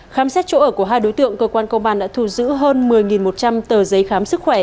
khám xét chỗ ở của hai đối tượng cơ quan công an đã thu giữ hơn một mươi một trăm linh tờ giấy khám sức khỏe